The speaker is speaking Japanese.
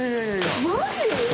マジ？